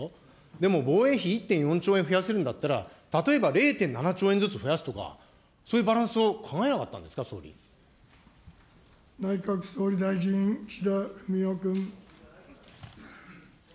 でも防衛費１．４兆円増やせるんだったら、例えば０．７兆円ずつ増やすとか、そういうバランスを内閣総理大臣、岸田文雄君。